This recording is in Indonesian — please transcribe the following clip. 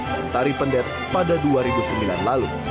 mentari pendet pada dua ribu sembilan lalu